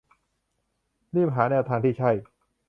รีบหาแนวทางที่ใช่